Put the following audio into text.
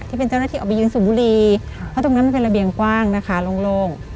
ที่เป็นเจ้าหน้าที่ออกไปยืนสูบบุรีเพราะตรงนั้นมันเป็นระเบียงกว้างนะคะโล่ง